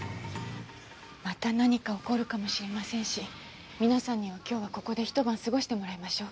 また何か起こるかもしれませんし皆さんには今日はここでひと晩過ごしてもらいましょう。